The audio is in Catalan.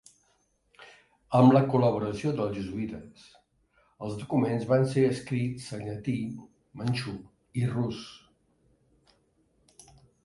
Amb la col·laboració dels jesuïtes els documents van ser escrits en llatí, manxú i rus.